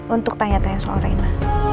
untuk tanya tanya soal reina